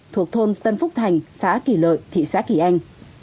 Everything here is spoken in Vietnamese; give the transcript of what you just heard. thuộc thôn tân phúc thành xã kỳ lợi thị xã kỳ anh